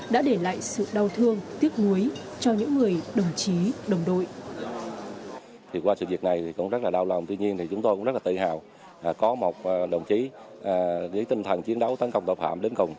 đã để lại sự đau thương tiếc nuối cho những người đồng chí đồng đội